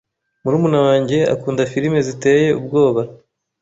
Murumuna wanjye akunda firime ziteye ubwoba.